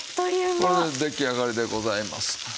これで出来上がりでございます。